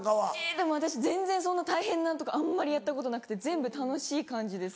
でも私全然そんな大変なのとかあんまりやったことなくて全部楽しい感じです。